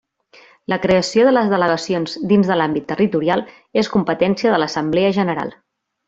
La creació de les delegacions dins de l'àmbit territorial és competència de l'Assemblea General.